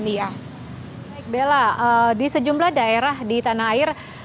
baik bella di sejumlah daerah di tanah air